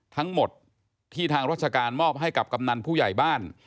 ทั้งหมดที่ทางราชการมอบให้กับกำนันผู้ใหญ่บ้าน